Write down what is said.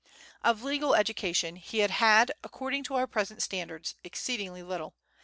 Of legal education he had had, according to our present standards, exceedingly little.